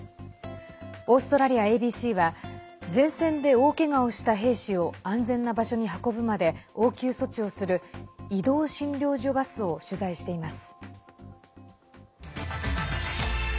オーストラリアＡＢＣは前線で大けがをした兵士を安全な場所に運ぶまで応急措置をする移動診療所バスを取材しています。